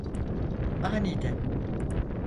Aniden…